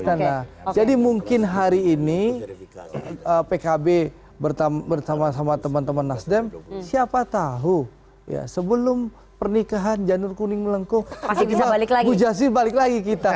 nah jadi mungkin hari ini pkb bersama sama teman teman nasdem siapa tahu ya sebelum pernikahan janur kuning melengkung bu jasir balik lagi kita